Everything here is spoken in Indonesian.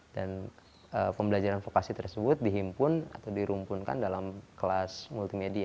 dan pembelajaran vokasi tersebut dihimpun atau dirumpunkan dalam kelas multimedia